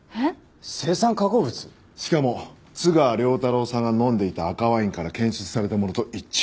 しかも津川亮太郎さんが飲んでいた赤ワインから検出されたものと一致。